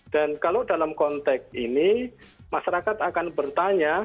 dan kalau dalam konteks ini masyarakat akan bertanya